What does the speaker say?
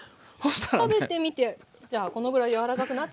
食べてみてじゃあこのぐらい柔らかくなっていたら。